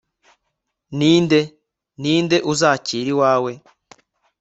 r/ ni nde? () ni nde uzakira iwawe